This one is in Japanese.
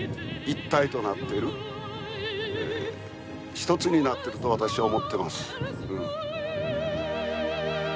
一つになってると私は思ってます。